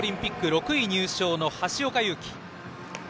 ６位入賞の橋岡優輝。